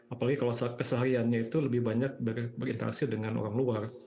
apalagi kalau kesehariannya itu lebih banyak berinteraksi dengan orang luar